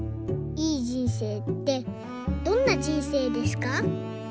いい人生ってどんな人生ですか？」。